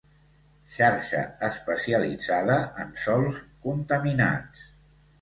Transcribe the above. Xarxa especialitzada en sòls contaminats.